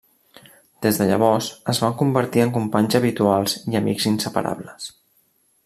Des de llavors es van convertir en companys habituals i amics inseparables.